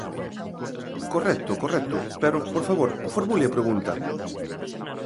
Correcto, correcto, pero, por favor, formule a pregunta.